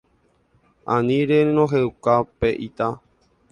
Ani renohẽuka pe ita